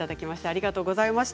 ありがとうございます。